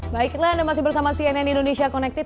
baiklah anda masih bersama cnn indonesia connected